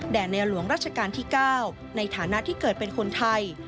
ในหลวงรัชกาลที่๙ในฐานะที่เกิดเป็นคนไทย